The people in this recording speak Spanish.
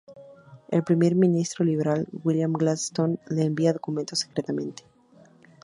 El primer ministro liberal William Gladstone le enviaba documentos secretamente.